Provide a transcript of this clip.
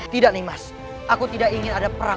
tidak nimas aku tidak ingin ada perang